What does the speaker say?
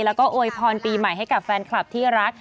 แล้วก็โวยพรปีใหม่ให้กับแฟนคลับที่รัก